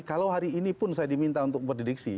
kalau hari ini pun saya diminta untuk berdidiksi